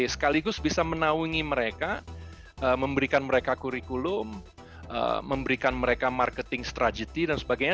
sekaligus bisa menaungi mereka memberikan mereka kurikulum memberikan mereka marketing stragity dan sebagainya